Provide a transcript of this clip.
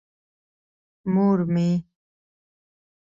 مور مې.